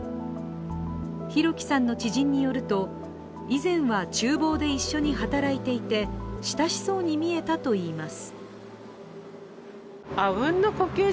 弘輝さんの知人によると、以前は厨房で一緒に働いていて親しそうに見えたといいます。